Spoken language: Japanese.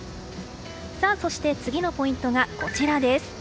そして、次のポイントがこちら。